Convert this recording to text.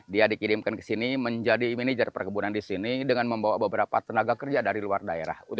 dia dikirimkan ke sini menjadi manajer perkebunan di sini dengan membawa beberapa tenaga kerja dari luar daerah